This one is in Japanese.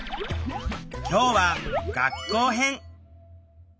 今日は「学校編」！